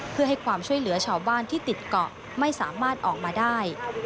เพื่อให้ความช่วยเหลือชาวบ้านที่ติดเกาะไม่สามารถออกมาได้